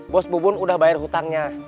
bos bubun udah bayar hutangnya